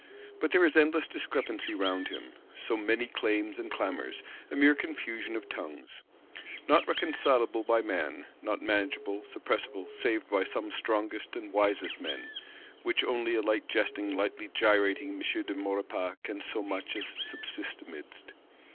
But there is endless discrepancy round him; so many claims and clamours; a mere confusion of tongues. Not reconcilable by man; not manageable, suppressible, save by some strongest and wisest men;—which only a lightly jesting lightly gyrating M. de Maurepas can so much as subsist amidst.